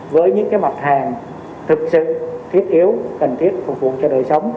với những mặt hàng thực sự thiết yếu cần thiết phục vụ cho đời sống